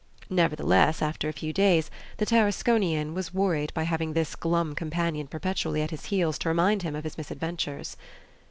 Nevertheless, after a few days, the Tarasconian was worried by having this glum companion perpetually at his heels, to remind him of his misadventures.